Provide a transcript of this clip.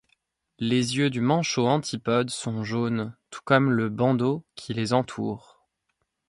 Les yeux du manchot antipode sont jaunes, tout comme le bandeau qui les entoure.